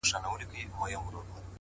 ماته به بله موضوع پاته نه وي؛